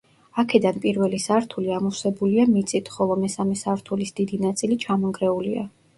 აქედან პირველი სართული ამოვსებულია მიწით, ხოლო მესამე სართულის დიდი ნაწილი ჩამონგრეულია.